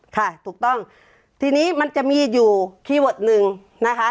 ค่ะถูกต้องทีนี้มันจะมีอยู่คีย์เวิร์ดหนึ่งนะคะ